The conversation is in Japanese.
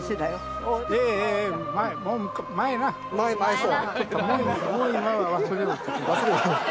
そう。